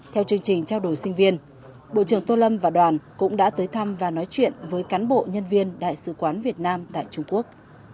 theo chương trình trao đổi sinh viên bộ trưởng tô lâm và đoàn cũng đã tới thăm và nói chuyện với cán bộ nhân viên đại sứ quán việt nam tại trung quốc